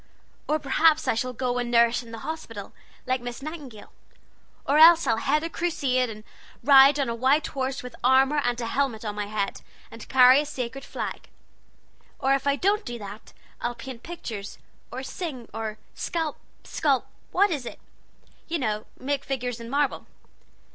Or perhaps I shall go and nurse in the hospital, like Miss Nightingale. Or else I'll head a crusade and ride on a white horse, with armor and a helmet on my head, and carry a sacred flag. Or if I don't do that, I'll paint pictures, or sing, or scalp sculp, what is it? you know make figures in marble.